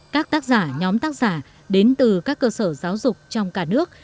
các tác giả nhóm tác giả đến từ các cơ sở giáo dục trong cả nước